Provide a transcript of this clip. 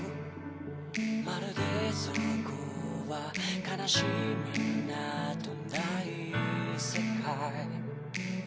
「まるでそこは悲しみなどない世界」